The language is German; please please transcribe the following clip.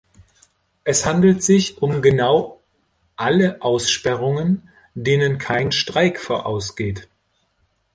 Es handelt sich um genau alle Aussperrungen, denen kein Streik vorausgeht.